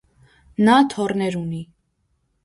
Նա թոռներ ունի։